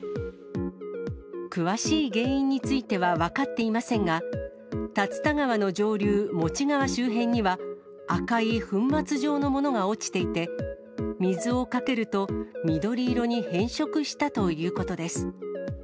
詳しい原因については分かっていませんが、竜田川の上流、モチ川周辺には、赤い粉末状のものが落ちていて、水をかけると緑色に変色したということです。